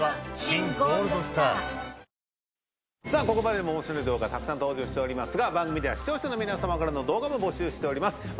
ここまでも面白い動画たくさん登場しておりますが番組では視聴者の皆様からの動画も募集しております